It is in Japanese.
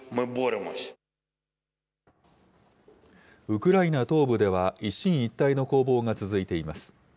ウクライナ東部では、一進一退の攻防が続いています。